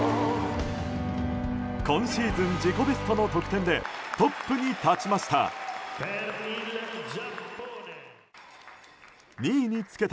今シーズン自己ベストの得点でトップに立ちました。